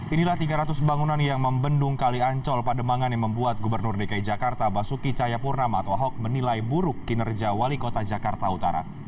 inilah tiga ratus bangunan yang membendung kali ancol pademangan yang membuat gubernur dki jakarta basuki cayapurnama atau ahok menilai buruk kinerja wali kota jakarta utara